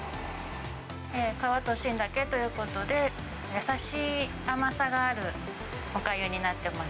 皮と芯だけということで、優しい甘さがあるおかゆになっています。